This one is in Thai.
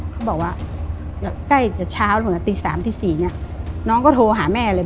เขาบอกว่าใกล้จากเช้าเหมือนกับตี๓๔นี่น้องก็โทรหาแม่เลย